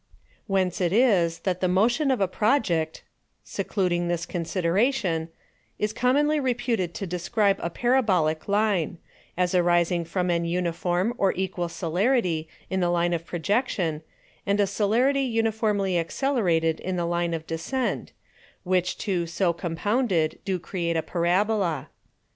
Whence it is, that the Motion of a Project (secluding this Consideration) is commonly reputed to describe a Parabolick Line; as arising from an Uniform or equal Celerity in the Line of Projection, and a Celerity uniformly accelerated in the Line of Descent; which two so compounded, do create a Parabola.